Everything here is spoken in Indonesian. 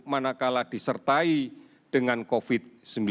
manakala disertai dengan covid sembilan belas